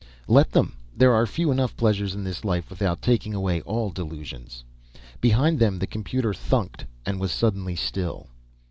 "Let them. There are few enough pleasures in this life without taking away all delusions." Behind them the computer thunked and was suddenly still.